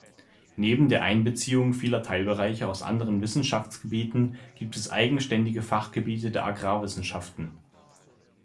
Neben der Einbeziehung vieler Teilbereiche aus anderen Wissenschaftsgebieten gibt es eigenständige Fachgebiete der Agrarwissenschaften.